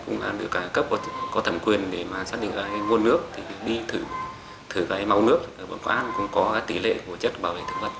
nó cũng có tỷ lệ của chất bảo vệ thực vật